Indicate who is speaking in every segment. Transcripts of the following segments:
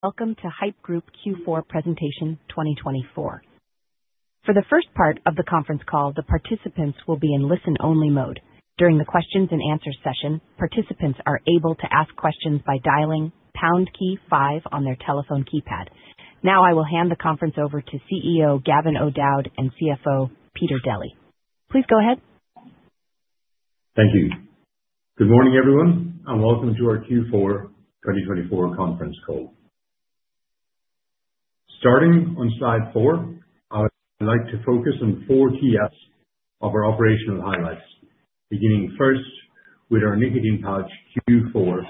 Speaker 1: Welcome to Haypp Group Q4 Presentation 2024. For the first part of the conference call, the participants will be in listen only mode. During the questions and answers session, participants are able to ask questions by dialing pound key five on their telephone keypad. Now I will hand the conference over to CEO Gavin O'Dowd and CFO Peter Deli. Please go ahead.
Speaker 2: Thank you. Good morning everyone and welcome to our Q4 2024 conference call starting on slide 4. I'd like to focus on four key aspects of our operational highlights, beginning first with our nicotine pouch Q4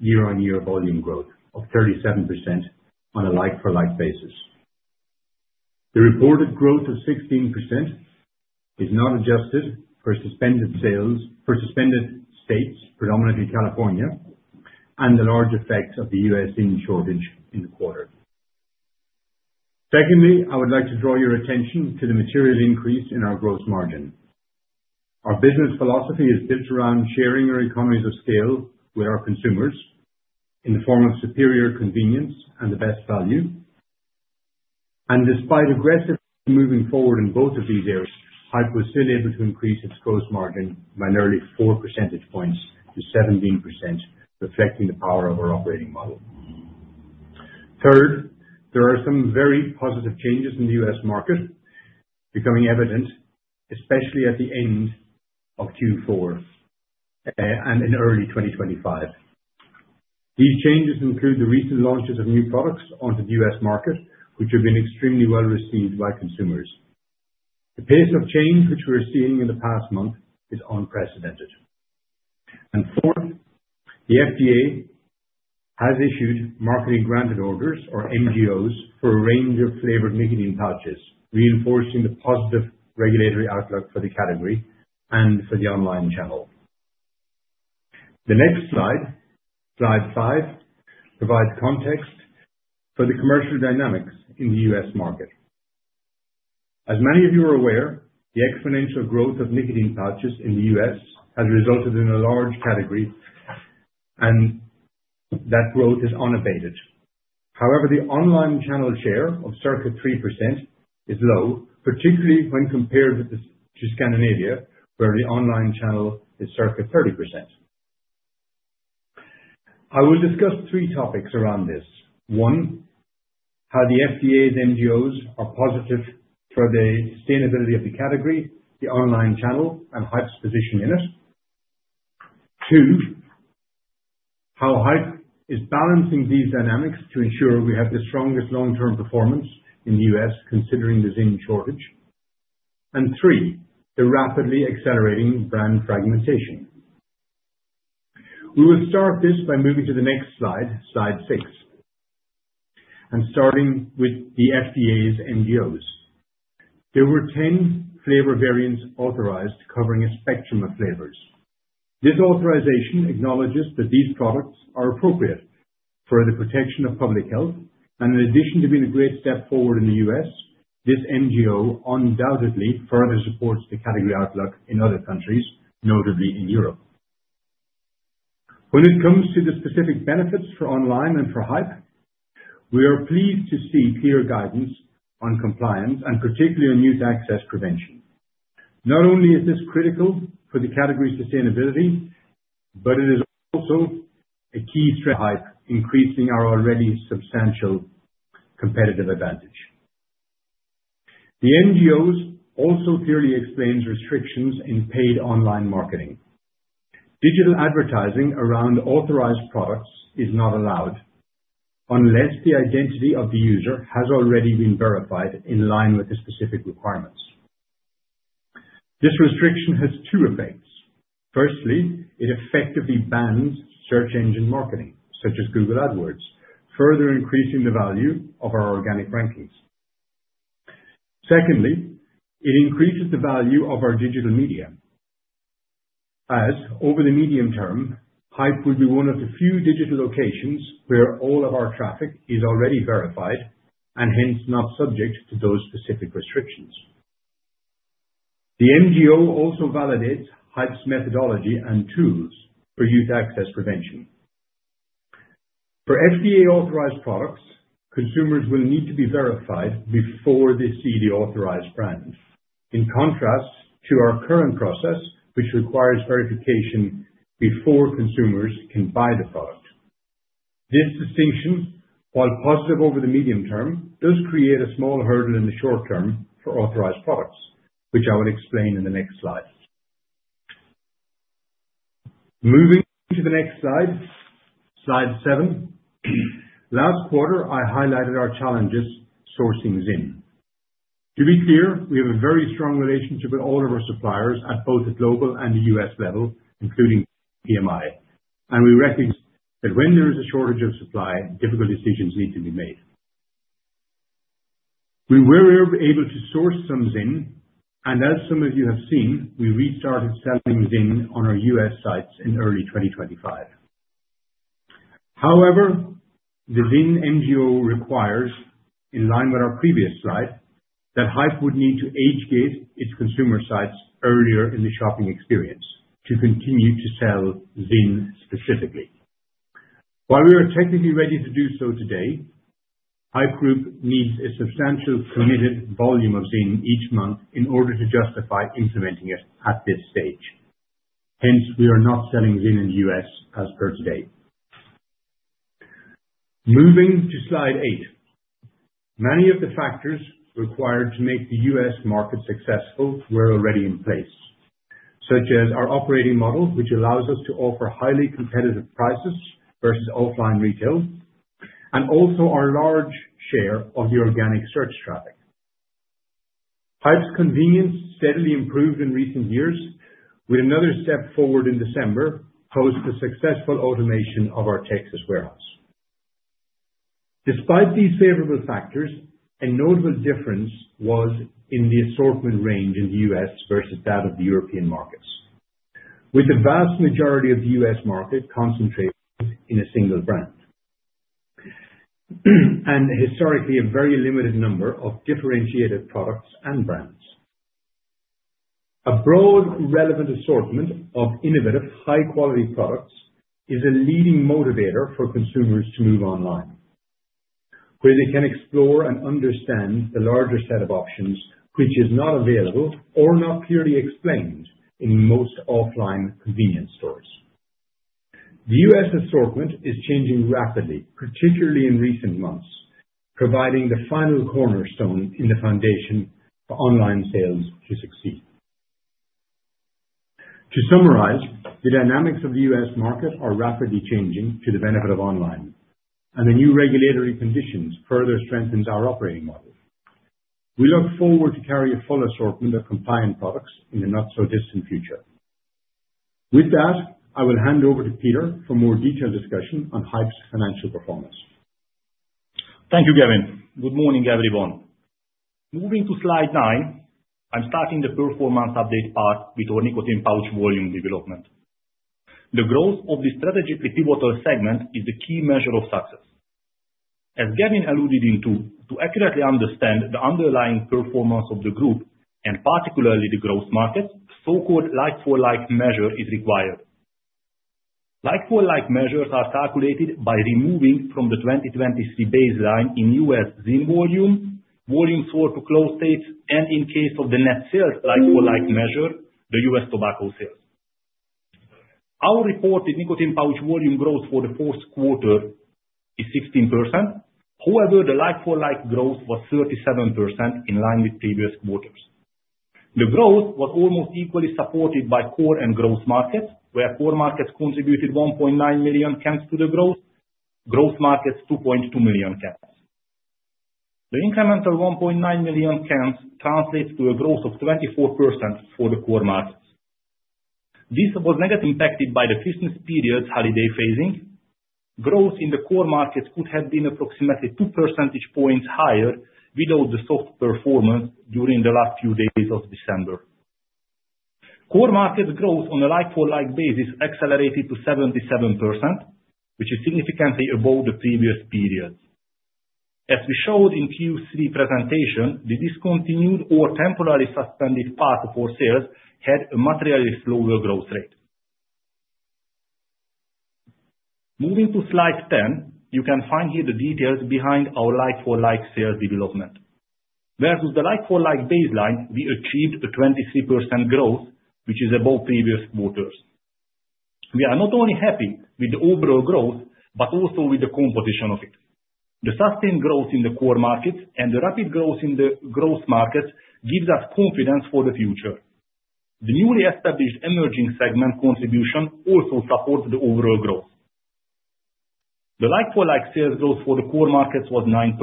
Speaker 2: year-on-year volume growth of 37% on a like-for-like basis. The reported growth of 16% is not adjusted for suspended sales in states predominantly California and the large effects of the U.S. ZYN shortage in the quarter. Secondly, I would like to draw your attention to the material increase in our gross margin. Our business philosophy is built around sharing our economies of scale with our consumers in the form of superior convenience and the best value. And despite aggressively moving forward in both of these areas, Haypp is still able to increase its gross margin by nearly 4 percentage points to 17%, reflecting the power of our operating model. Third, there are some very positive changes in the U.S. market becoming evident especially at the end of Q4 and in early 2025. These changes include the recent launches of new products onto the U.S. market which have been extremely well received by consumers. The pace of change which we are seeing in the past month is unprecedented. And fourth, the FDA has issued marketing granted orders or MGOs for a range of flavored nicotine pouches, reinforcing the positive regulatory outlook for the category and for the online channel. The next slide, slide 5, provides context for the commercial dynamics in the U.S. market. As many of you are aware, the exponential growth of nicotine pouches in the U.S. has resulted in a large category and that growth is unabated. However, the online channel share of circa 3% is low, particularly when compared to Scandinavia where the online channel is circa 30%. I will discuss three topics around this: one, how the FDA's MGOs are positive for the sustainability of the category, the online channel and Haypp's position in it; two, how Haypp is balancing these dynamics to ensure we have the strongest long-term performance in the U.S. considering the ZYN shortage; and three, the rapidly accelerating brand fragmentation. We will start this by moving to the next slide, slide 6, and starting with the FDA's MGOs. There were 10 flavor variants authorized covering a spectrum of flavors. This authorization acknowledges that these products are appropriate for the protection of public health and in addition to being a great step forward in the U.S., this MGO undoubtedly further supports the category outlook in other countries, notably in Europe. When it comes to the specific benefits for online and for Haypp, we are pleased to see clear guidance on compliance and particularly on youth access prevention. Not only is this critical for the category sustainability, but it is also a key threat increasing our already substantial competitive advantage. The FDA also clearly explains restrictions in paid online marketing. Digital advertising around authorized products is not allowed unless the identity of the user has already been verified in line with the specific requirements. This restriction has two effects. Firstly, it effectively bans search engine marketing such as Google AdWords, further increasing the value of our organic rankings. Secondly, it increases the value of our digital media. As over the medium term Haypp would be one of the few digital locations where all of our traffic is already verified and hence not subject to those specific restrictions. The MGO also validates Haypp's methodology and tools for youth access prevention. For FDA authorized products, consumers will need to be verified before they see the authorized brand, in contrast to our current process which requires verification before consumers can buy the product. This distinction, while positive over the medium term, does create a small hurdle in the short term for authorized products, which I will explain in the next slide. Moving to the next slide, Slide 7. Last quarter I highlighted our challenges sourcing ZYN. To be clear, we have a very strong relationship with all of our suppliers at both the global and the U.S. level, including PMI, and we recognize that when there is a shortage of supply, difficult decisions need to be made. We were able to source some ZYN and as some of you have seen, we restarted selling ZYN on our U.S. sites in early 2025. However, the ZYN MGO requires, in line with our previous slide, that Haypp Group would need to age gate its consumer sites earlier in the shopping experience to continue to sell ZYN. Specifically, while we are technically ready to do so today, Haypp Group needs a substantial committed volume of ZYN each month in order to justify implementing it at this stage. Hence, we are not selling ZYN in the US as of today. Moving to slide 8. Many of the factors required to make the U.S. market successful were already in place, such as our operating model which allows us to offer highly competitive prices versus offline retail and also our large share of the organic search traffic. Site's convenience steadily improved in recent years with another step forward in December post the successful automation of our Texas warehouse. Despite these favorable factors. A notable difference was in the assortment range in the U.S. versus that of the European markets. With the vast majority of the U.S. market concentrated in a single brand. And. Historically a very limited number of differentiated products and brands. A broad relevant assortment of innovative, high-quality products is a leading motivator for consumers to move online where they can explore and understand the larger set of options which is not available or not clearly explained in most offline convenience stores. The U.S. assortment is changing rapidly, particularly in recent months, providing the final cornerstone in the foundation for online sales to succeed. To summarize, the dynamics of the U.S. market are rapidly changing to the benefit of online and the new regulatory conditions further strengthens our operating model. We look forward to carrying a full assortment of compliant products in the not so distant future. With that, I will hand over to Peter for more detailed discussion on Haypp's financial performance.
Speaker 3: Thank you, Gavin. Good morning, everyone. Moving to slide nine, I'm starting the performance update part with our nicotine pouch volume development. The growth of the strategically pivotal segment is the key measure of success. As Gavin alluded to. To accurately understand the underlying performance of the group and particularly the growth markets, so-called like-for-like measure is required. Like-for-like measures are calculated by removing from the 2023 baseline in U.S. ZYN volume volume sold to close dates and in case of the net sales like-for-like measure the U.S. tobacco sales. Our reported nicotine pouch volume growth for the fourth quarter is 16%. However, the like-for-like growth was 37% in line with previous quarters. The growth was almost equally supported by core and growth markets where core markets contributed 1.9 million cans to the growth, growth markets 2.2 million cans. The incremental 1.9 million cans translates to a growth of 24% for the core markets. This was negatively impacted by the Christmas period's holiday phasing. Growth in the core markets could have been approximately 2 percentage points higher without the soft performance. During the last few days of December, core market growth on a like-for-like basis accelerated to 77%, which is significantly above the previous period. As we showed in Q3 presentation, the discontinued or temporarily suspended part of our sales had a materially slower growth rate. Moving to slide 10, you can find here the details behind our like-for-like sales development versus the like-for-like baseline. We achieved a 23% growth, which is above previous quarters. We are not only happy with the overall growth but also with the composition of it. The sustained growth in the core markets and the rapid growth in the growth market gives us confidence for the future. The newly established emerging segment contribution also supports the overall growth. The like-for-like sales growth for the core markets was 9%.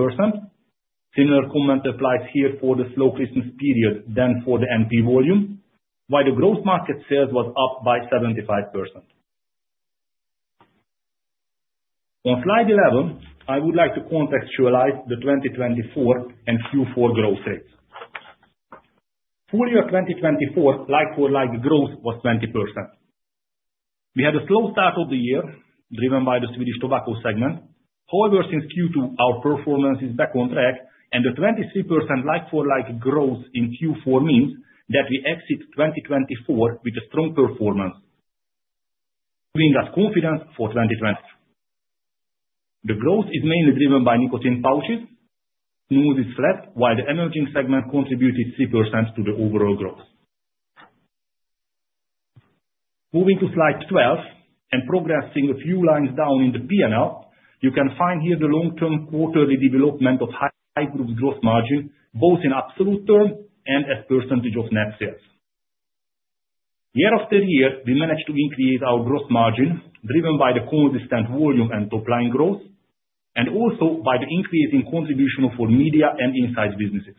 Speaker 3: Similar comment applies here for the slow Christmas period than for the NP volume, while the growth market sales was up by 75%. On slide 11 I would like to contextualize the 2024 and Q4 growth rates. Full year 2024 like for like the growth was 20%. We had a slow start of the year driven by the Swedish tobacco segment. However, since Q2 our performance is back on track and the 23% like for like growth in Q4 means that we exit 2024 with a strong performance. Giving us confidence for 2025. The growth is mainly driven by nicotine pouches. Snus is flat while the emerging segment contributed 3% to the overall growth. Moving to Slide 12 and progressing a few lines down in the P&L. You can find here the long-term quarterly development of Haypp Group gross margin both in absolute terms and as a percentage of net sales. Year after year we managed to increase our gross margin driven by the consistent volume and top-line growth and also by the increase in contribution from Media & Insights businesses.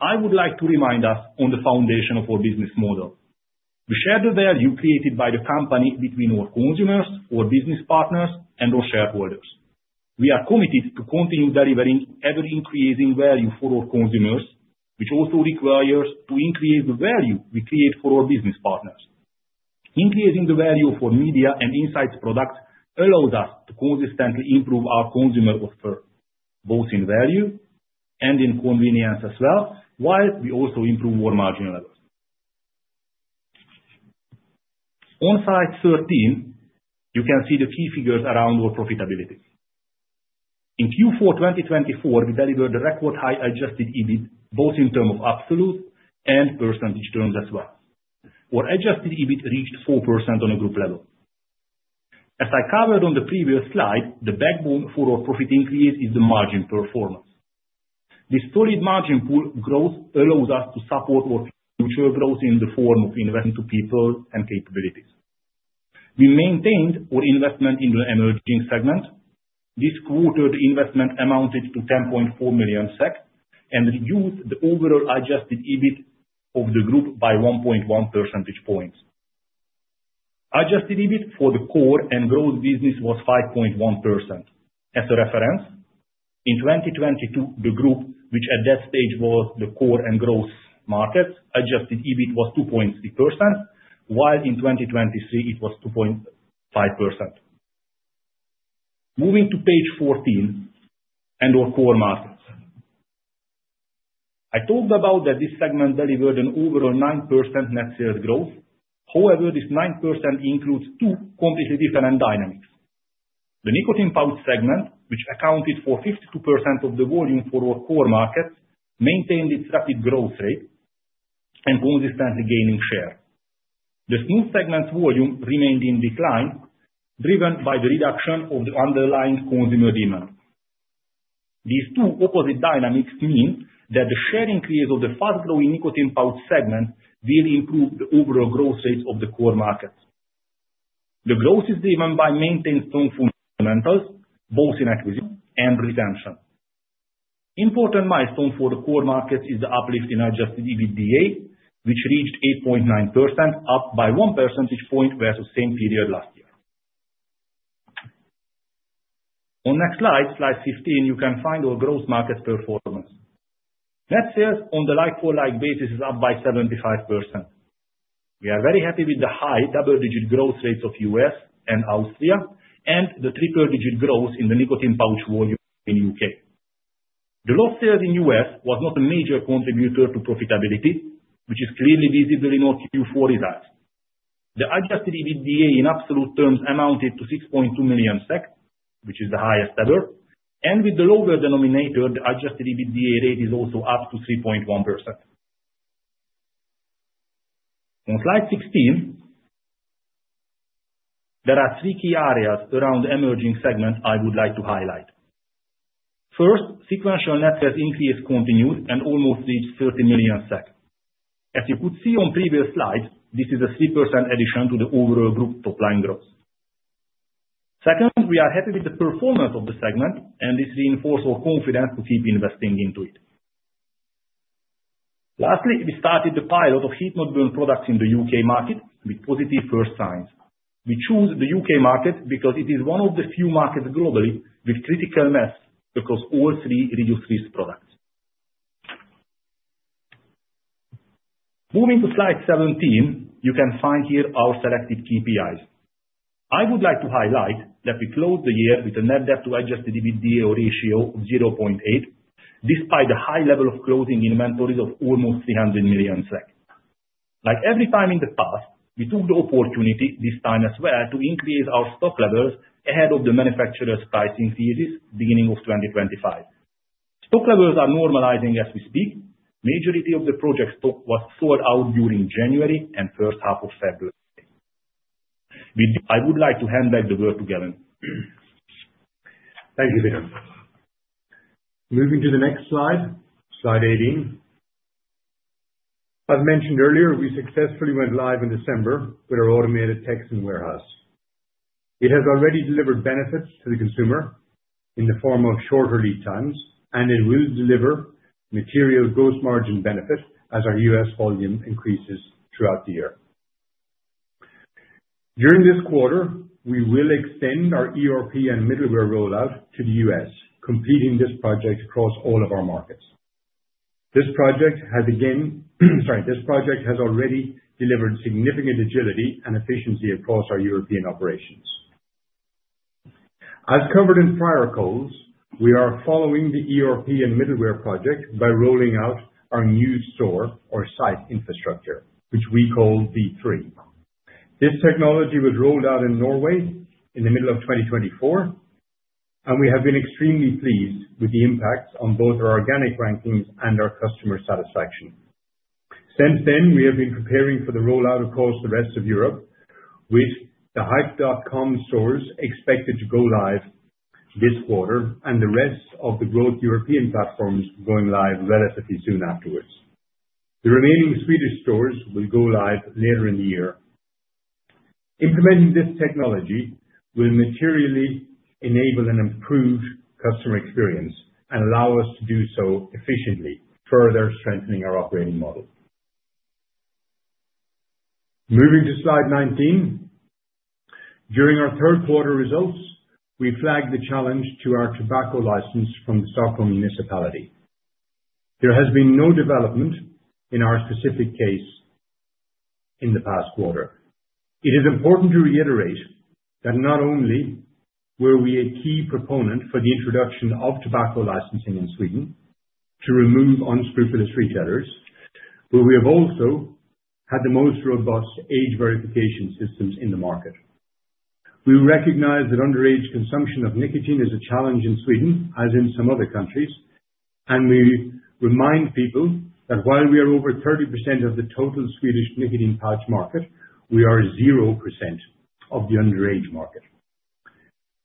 Speaker 3: I would like to remind us on the foundation of our business model, we share the value created by the company between our consumers, our business partners and our shareholders. We are committed to continue delivering ever-increasing value for our consumers which also requires to increase the value we create for our business partners. Increasing the value for media and insights products allows us to consistently improve our consumer offer both in value and in convenience as well while we also improve our margin levels. On slide 13 you can see the key figures around our profitability. In Q4 2024 we delivered a record high adjusted EBIT both in terms of absolute and percentage terms. As well, our adjusted EBIT reached 4% on a group level. As I covered on the previous slide. The backbone for our profit increase is the margin performance. This solid margin pool growth allows us to support our future growth in the form of investment to people and capabilities. We maintained our investment in the emerging segment. This quarter the investment amounted to 10.4 million SEK and reduced the overall adjusted EBIT of the group by 1.1 percentage points. Adjusted EBIT for the core and growth business was 5.1%. As a reference in 2022 the group which at that stage was the core and growth market adjusted EBIT was 2.3% while in 2023 it was 2 point. Moving to page 14 and our core markets. I talked about that this segment delivered an overall 9% net sales growth. However, this 9% includes two completely different dynamics. The nicotine pouch segment which accounted for 52% of the volume for our core markets, maintained its rapid growth rate and consistently gaining share. The snus segment's volume remained in decline driven by the reduction of the underlying consumer demand. These two opposite dynamics mean that the share increase of the fast growing nicotine pouch segment will improve the overall growth rates of the core market. The growth is driven by maintained strong fundamentals both in acquisitions and retention. Important milestone for the core markets is the uplift in adjusted EBITDA which reached 8.9% up by one percentage point versus same period last year. On the next slide, slide 15, you can find our gross market performance. Net sales on the like for like basis is up by 75%. We are very happy with the high double digit growth rates of U.S. and Austria and the triple digit growth in the nicotine pouch volume in U.K. The lost sales in U.S. was not a major contributor to profitability which is clearly visible in our Q4 results. The adjusted EBITDA in absolute terms amounted to 6.2 million SEK which is the highest ever and with the lower denominator the adjusted EBITDA rate is also up to 3.1%. On slide 16. There are three key areas around emerging segments I would like to highlight. First, sequential net sales increase continued and almost reached 30 million SEK. As you could see on previous slides, this is a 3% addition to the overall group top line growth. Second, we are happy with the performance of the segment and this reinforces our confidence to keep investing into it. Lastly, we started the pilot of heat-not-burn products in the UK market with positive first signs. We choose the UK market because it is one of the few markets globally with critical mass across all three reduced-risk products. Moving to Slide 17, you can find here our selected KPIs. I would like to highlight that we closed the year with a net debt to adjusted EBITDA ratio of 0.8 despite the high level of closing inventories of almost 300 million. Like every time in the past, we took the opportunity this time as well to increase our stock levels ahead of the manufacturer's price increases beginning of 2025. Stock levels are normalizing as we speak. Majority of the project stock was sold out during January and first half of February. I would like to hand back the word to Gavin.
Speaker 2: Thank you Peter. Moving to the next slide 18. As mentioned earlier, we successfully went live in December with our automated Texas warehouse. It has already delivered benefits to the consumer in the form of shorter lead times and it will deliver material gross margin benefit as our U.S. volume increases throughout the year. During this quarter, we will extend our ERP and middleware rollout to the U.S., completing this project across all of our markets. This project has already delivered significant agility and efficiency across our European operations. As covered in prior calls. We are following the ERP and middleware project by rolling out our new store or site infrastructure which we call V3. This technology was rolled out in Norway in the middle of 2024 and we have been extremely pleased with the impact on both our organic rankings and our customer satisfaction. Since then we have been preparing for the rollout across the rest of Europe, with the Haypp.com stores expected to go live this quarter and the rest of the growth European platforms going live relatively soon afterwards. The remaining Swedish stores will go live later in the year. Implementing this technology will materially enable an improved customer experience and allow us to do so efficiently, further strengthening our operating model. Moving to slide 19, during our third quarter results, we flagged the challenge to our tobacco license from the Stockholm Municipality. There has been no development in our specific case in the past quarter. It is important to reiterate that not only were we a key proponent for the introduction of tobacco licensing in Sweden to remove unscrupulous retailers, but we have also had the most robust age verification systems in the market. We recognize that underage consumption of nicotine is a challenge in Sweden, as in some other countries, and we remind people that while we are over 30% of the total Swedish nicotine pouch market, we are 0% of the underage market.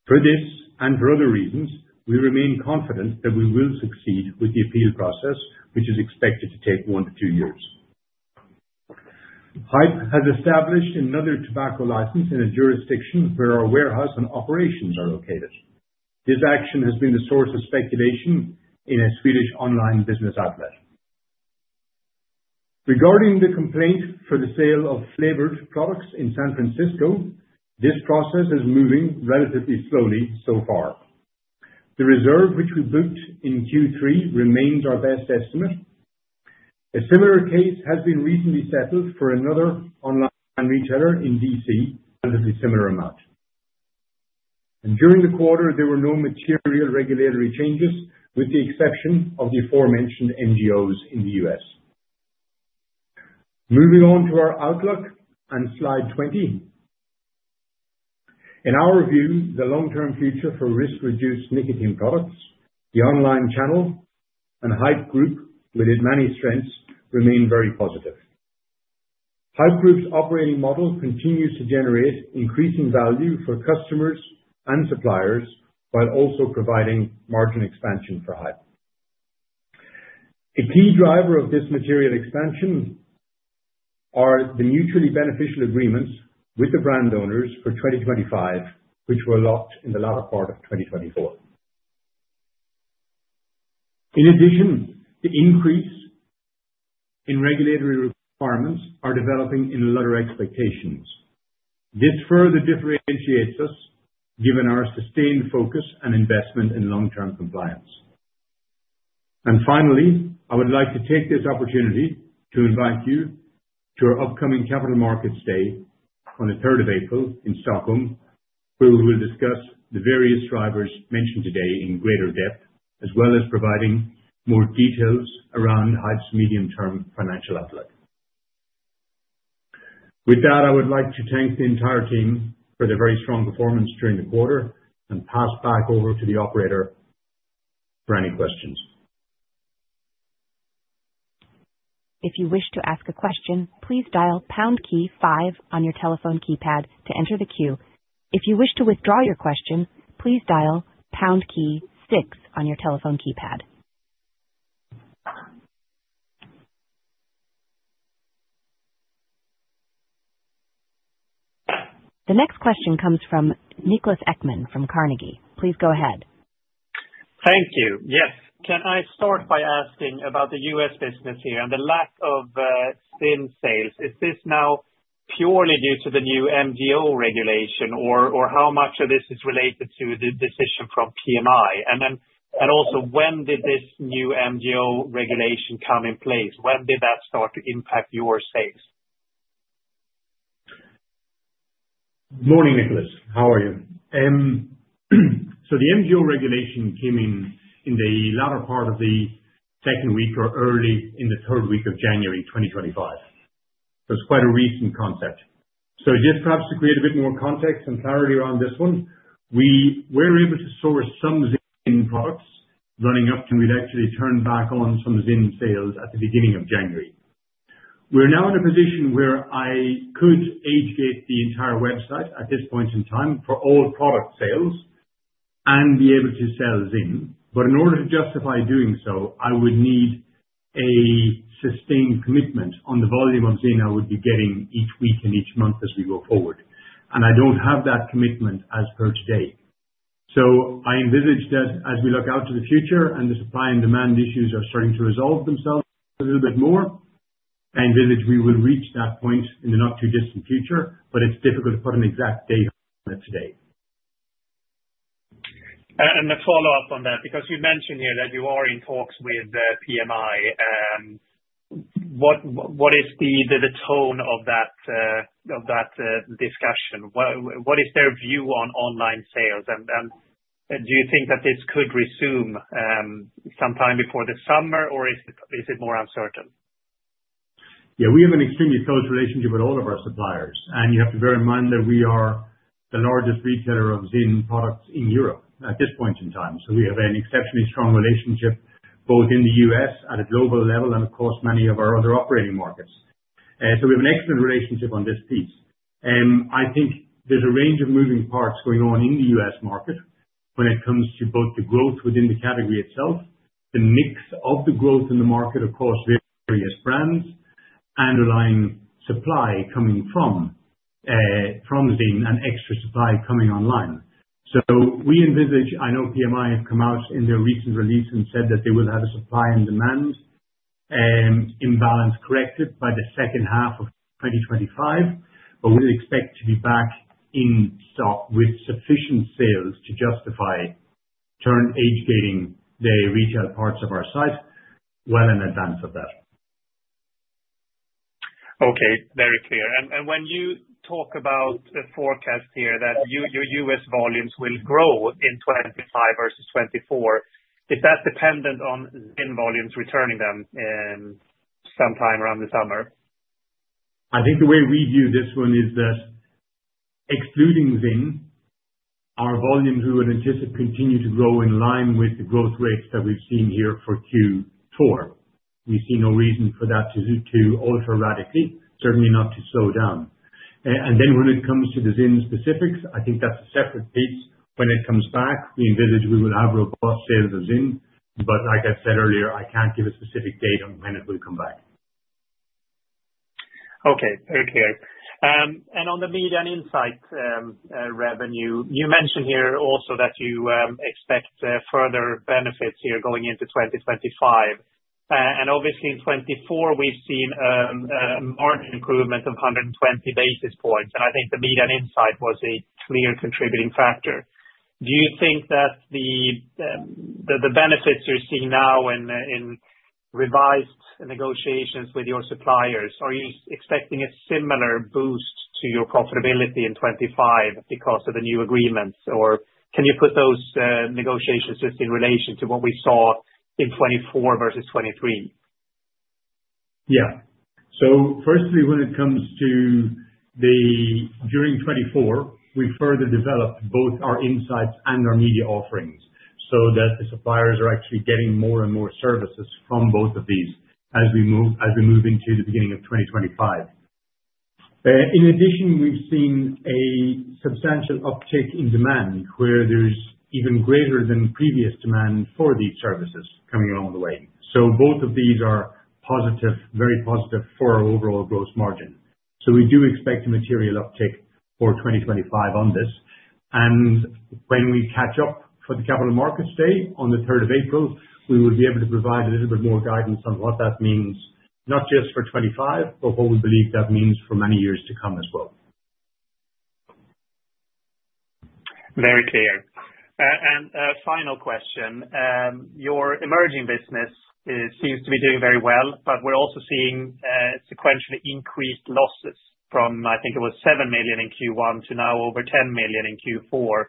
Speaker 2: For this and for other reasons, we remain confident that we will succeed with the appeal process, which is expected to take one to two years. Haypp has established another tobacco license in a jurisdiction where our warehouse and operations are located. This action has been the source of speculation in a Swedish online business outlet. Regarding the complaint for the sale of flavored products in San Francisco. This process is moving relatively slowly. So far the reserve which we booked in Q3 remains our best estimate. A similar case has been recently settled for another online retailer in D.C., relatively similar amount, and during the quarter there were no material regulatory changes with the exception of the aforementioned MGOs in the U.S. Moving on to our outlook on slide 20. In our view, the long term future for risk reduced nicotine products, the online channel and Haypp Group with its many strengths, remain very positive. Haypp Group's operating model continues to generate increasing value for customers and suppliers while also providing margin expansion for Haypp. A. Key driver of this material expansion are the mutually beneficial agreements with the brand owners for 2025 which were locked in the latter part of 2024. In addition, the increase in regulatory requirements are developing in line with expectations. This further differentiates us given our sustained focus and investment in long term compliance. And finally, I would like to take this opportunity to invite you to our upcoming Capital Markets Day on the 3rd of April in Stockholm where we will discuss the various drivers mentioned today in greater depth as well as providing more details around Haypp Group's medium term financial outlook. With that, I would like to thank the entire team for their very strong performance during the quarter and pass back over to the operator for any questions.
Speaker 1: If you wish to ask a question, please dial pound key five on your telephone keypad to enter the queue. If you wish to withdraw your question, please dial 6 on your telephone keypad. The next question comes from Niklas Ekman from Carnegie. Please go ahead.
Speaker 4: Thank you. Yes, can I start by asking about the U.S. business here and the lack of ZYN sales? Is this now purely due to the new MGO regulation or how much of this is related to the decision from PMI? And then and also when did this new MGO regulation come in place? When did that start to impact your sales?
Speaker 2: Good morning Niklas, how are you? The MGO regulation came in the latter part of the second week or early in the third week of January 2025. It's quite a recent concept, so just perhaps to create a bit more context and clarity around this one. We were able to source some ZYN products running up, and we'd actually turn back on some ZYN sales at the beginning of January. We're now in a position where I could age gate the entire website at this point in time for all product sales and be able to sell ZYN. But in order to justify doing so, I would need a sustained commitment on the volume of ZYN I would be getting each week and each month as we go forward. I don't have that commitment as per today. I envisage that as we look out to the future and the supply and demand issues are starting to resolve themselves a little bit more, I envisage we will reach that point in the not too distant future. But it's difficult to put an exact date on it today.
Speaker 4: And a follow-up on that because you mentioned here that you are in talks with PMI. What is the tone of that discussion? What is their view on online sales? And do you think that this could resume sometime before the summer or is it more uncertain?
Speaker 2: Yeah, we have an extremely close relationship with all of our suppliers and you have to bear in mind that we are the largest retailer of ZYN products in Europe at this point in time. So we have an exceptionally strong relationship both in the U.S. at a global level and of course many of our other operating markets. So we have an excellent relationship on this piece. I think there's a range of moving parts going on in the U.S. market when it comes to both the growth within the category itself, the mix of the growth in the market across various brands, underlying supply coming from ZYN and extra supply coming online. So we envisage. I know PMI have come out in. Their recent release and said that they will have a supply and demand. Imbalance corrected by the second half of 2025, but we expect to be back in stock with sufficient sales to justify turning age gating the retail parts of our site well in advance of that.
Speaker 4: Okay, very clear. And when you talk about the forecast here that your U.S. volumes will grow in 2025 versus 2024, is that dependent on ZYN volumes returning them sometime around the summer?
Speaker 2: I think the way we view this one is that excluding ZYN, our volumes we would anticipate continue to grow in line with the growth rates that we've seen here for Q4. We see no reason for that to alter radically, certainly not to slow down. And then when it comes to the ZYN specifics, I think that's a separate piece of when it comes back, we envisage we will have robust sales of ZYN, but like I said earlier, I can't give a specific date on when it will come back.
Speaker 4: Okay, very clear. On the Media and Insights revenue you mentioned here also that you expect further benefits here going into 2025. Obviously in 2024 we've seen marked improvement of 120 basis points and I think the Media and Insights was a clear contributing factor. Do you think that the benefits you're seeing now in revised negotiations with your suppliers, are you expecting a similar boost to your profitability in 2025 because of the new agreements? Or can you put those negotiations just in relation to what we saw in 2024 versus 2023?
Speaker 2: Yeah. Firstly, when it comes to. During 2024, we further developed both our insights and our media offerings so that the suppliers are actually getting more and more services from both of these as we move into the beginning of 2025. In addition, we've seen a substantial uptick in demand where there's even greater than previous demand for these services coming along the way. So both of these are positive, very positive for our overall gross margin. So we do expect a material uptick for 2025 on this. And when we catch up for the Capital Markets Day on the 3rd of April, we will be able to provide a little bit more guidance on what that means not just for 2025, but what we believe that means for many years to come as well.
Speaker 4: Very clear and final question. Your emerging business seems to be doing very well, but we're also seeing sequentially increased losses from I think it was 7 million in Q1 to now over 10 million in Q4.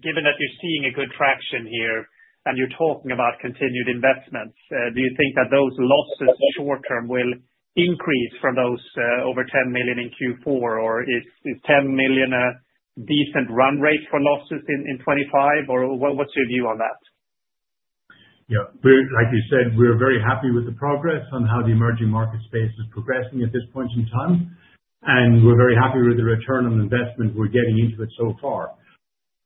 Speaker 4: Given that you're seeing a good traction here and you're talking about continued investments, do you think that those losses short term will increase from those over 10 million in Q4 or is 10 million a decent run rate for losses in 25 or what's your view on that?
Speaker 2: Yes, like you said, we're very happy with the progress on how the emerging market space is progressing at this point in time and we're very happy with the return on investment. We're getting into it so far.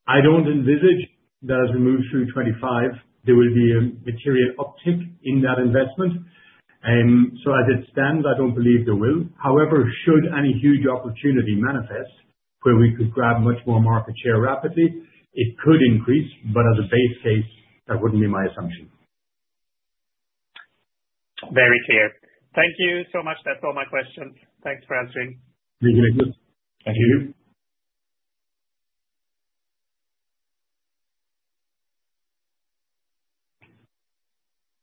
Speaker 2: I don't envisage that as we move through 2025 there will be a material uptick in that investment. So as it stands, I don't believe there will. However, should any huge opportunity manifest where we could grab much more market share rapidly if it could increase, but as a base case, that wouldn't be my assumption.
Speaker 4: Very clear. Thank you so much. That's all my questions. Thanks for answering. Thank you.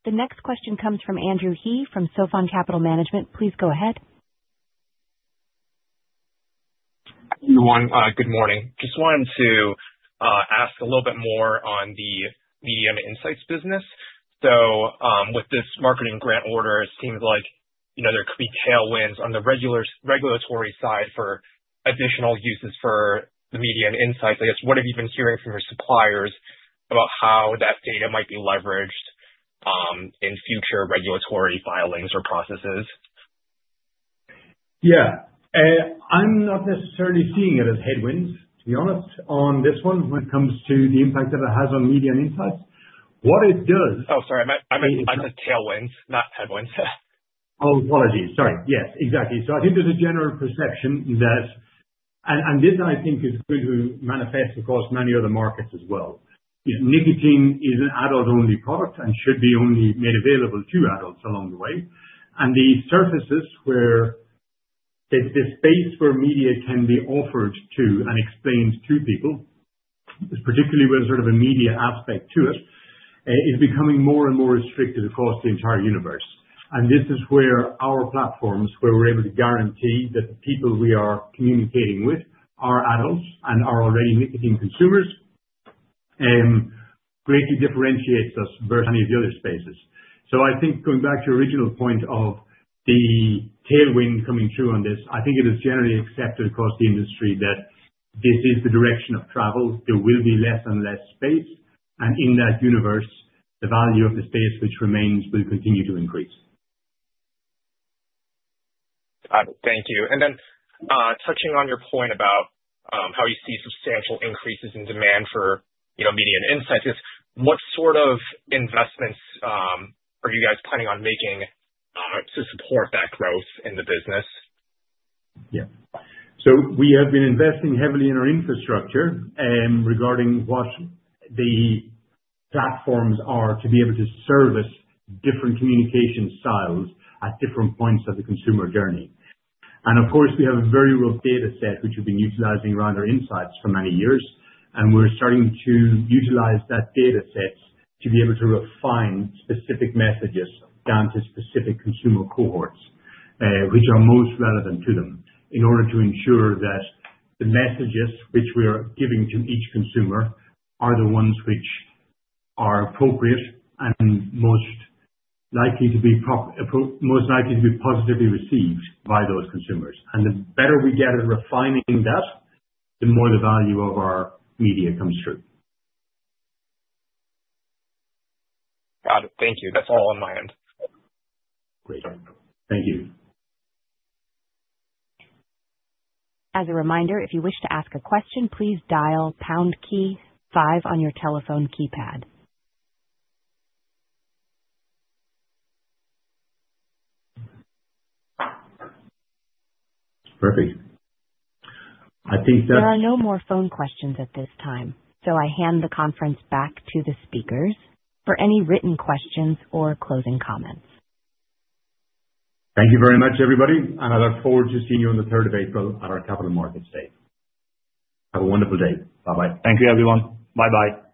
Speaker 1: The next question comes from Andrew He from Sofon Capital Management. Please go ahead.
Speaker 5: Good morning. Just wanted to ask a little bit more on the Media & Insights business. So with this marketing granted order it seems like, you know, there could be tailwinds on the regulatory side for additional uses for the media and insights, I guess. What have you been hearing from your suppliers about how that data might be leveraged in future regulatory filings or processes?
Speaker 2: Yeah, I'm not necessarily seeing it as headwinds to be honest on this one. When it comes to the impact that it has on media and insights, what it does.
Speaker 5: Oh, sorry, I said tailwinds, not headwinds. Oh, apologies, sorry. Yes, exactly. I think there's a general perception that, and this I think is going to manifest across many other markets as well. Nicotine is an adult only product and should be only made available to adults along the way. And the surfaces where media can be offered to and explained to people, particularly with sort of immediate aspect to it, is becoming more and more restricted across the entire universe. And this is where our platforms, where we're able to guarantee that the people we are communicating with are adults and are already nicotine consumers. Greatly differentiates us versus any of the other spaces. So I think going back to your original point of the tailwind coming through on this, I think it is generally accepted across the industry that this is the direction of travel. There will be less and less space, and in that universe, the value of the space which remains will continue to increase.
Speaker 2: Thank you. And then touching on your point about how you see substantial increases in demand for media insights, what sort of investments are you guys planning on making to support that growth in the business? Yeah, so we have been investing heavily in our infrastructure regarding what the platforms are to be able to service different communication styles at different points of the consumer journey. And of course, we have a very rough data set which we've been utilizing around our insights for many years. And we're starting to utilize that data set to be able to refine specific messages down to specific consumer cohorts which are most relevant to them, in order to ensure that the messages which we are giving to each consumer are the ones which are appropriate and. Most likely to be positively received by those consumers, and the better we get at refining that, the more the value of our media comes true.
Speaker 5: Got it. Thank you. That's all on my end. Great, thank you.
Speaker 1: As a reminder, if you wish to ask a question, please dial pound key five on your telephone keypad. Perfect. I think that there are no more. Phone questions at this time, so I hand the conference back to the speakers for any written questions or closing comments.
Speaker 2: Thank you very much everybody and I look forward to seeing you on the 3rd of April at our Capital Markets Day. Have a wonderful day. Bye bye. Thank you everyone.
Speaker 4: Bye bye.